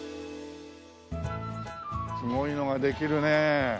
すごいのができるね。